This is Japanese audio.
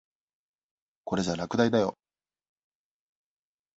これじゃ落第だよ。